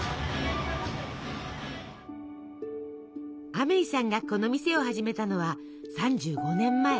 アメイさんがこの店を始めたのは３５年前。